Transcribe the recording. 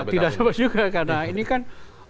tidak sama juga karena ini kan